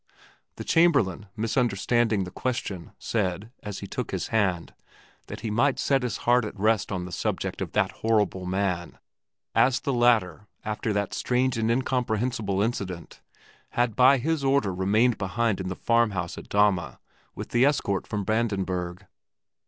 The Chamberlain, misunderstanding the question, said, as he took his hand, that he might set his heart at rest on the subject of that horrible man, as the latter, after that strange and incomprehensible incident, had by his order remained behind in the farm house at Dahme with the escort from Brandenburg.